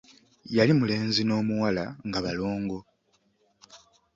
Yali mulenzi n'omuwala nga balongo.